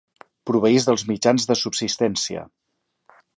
Proveís dels mitjans de subsistència.